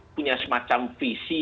punya semacam visi